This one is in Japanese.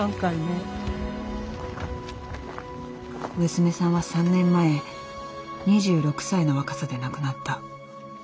娘さんは３年前２６歳の若さで亡くなった。